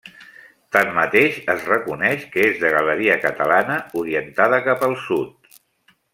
Tanmateix, es reconeix que és de galeria catalana, orientada cap al sud.